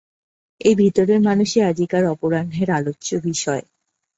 এই ভিতরের মানুষই আজিকার অপরাহ্ণের আলোচ্য বিষয়।